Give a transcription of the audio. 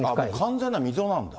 完全な溝なんだ。